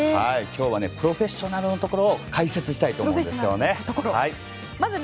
今日はプロフェッショナルなところを解説したいと思います。